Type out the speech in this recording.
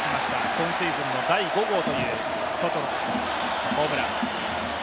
今シーズンの第５号というソトのホームラン。